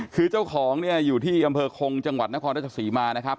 คือเจ้าของเนี่ยอยู่ที่อำเภอคงจังหวัดนครราชศรีมานะครับ